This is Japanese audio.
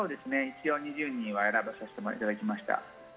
一応２０人は選ばせていただきました。